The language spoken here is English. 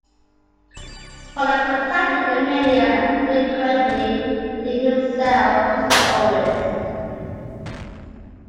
Pollar contacted the media and declared correctly that he himself was the oldest.